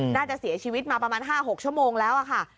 น่าจะเสียชีวิตมาประมาณ๕๖ชั่วโมงแล้วค่ะ